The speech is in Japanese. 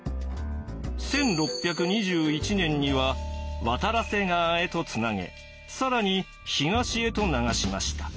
１６２１年には渡瀬川へとつなげ更に東へと流しました。